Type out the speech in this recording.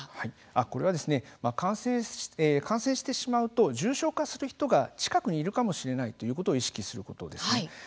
これは、感染してしまうと重症化する人が近くにいるかもしれないということを意識することです。